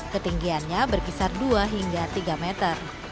ketinggiannya berkisar dua hingga tiga meter